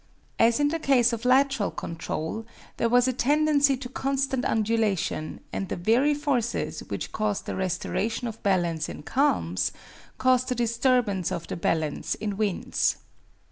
As in the case of lateral control, there was a tendency to constant undulation, and the very forces which caused a restoration of balance in calms caused a disturbance of the balance in winds.